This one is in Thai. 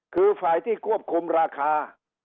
คือฝ่ายที่ควบคุมราคา